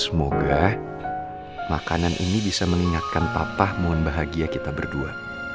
semoga makanan ini bisa mengingatkan papah mohon bahagia kita berdua